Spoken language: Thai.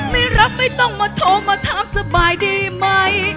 ไม่รับไม่ต้องมาโทรมาถามสบายดีไหม